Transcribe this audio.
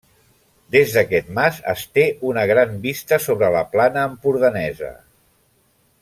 Des d'aquest mas es té una gran vista sobra la plana empordanesa.